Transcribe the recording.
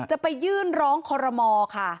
จะไปยื่นร้องคอรมอค่ะ